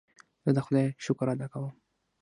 زه د خدای شکر ادا کوم.